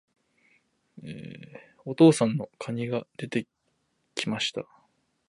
お父さんの蟹が出て来ました。